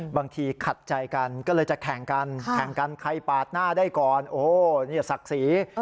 บางทีขัดใจกันก็เลยจะแข่งกันใครปาดหน้าได้ก่อนโอ้สักศรี